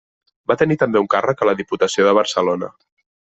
Va tenir també un càrrec a la Diputació de Barcelona.